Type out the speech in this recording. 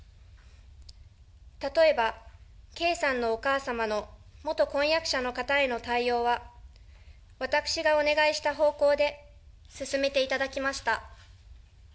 例えば、圭さんのお母様の元婚約者の方への対応は、私がお願いした方向で、進めていただきました。